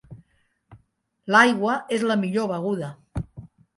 L'aigua és la millor beguda.